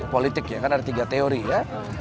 politik ya kan ada tiga teori ya